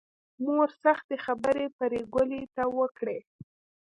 مور سختې خبرې پري ګلې ته وکړې